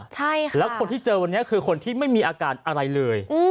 ใช่ค่ะแล้วคนที่เจอวันนี้คือคนที่ไม่มีอาการอะไรเลย